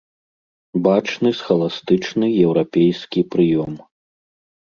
Бачны схаластычны еўрапейскі прыём.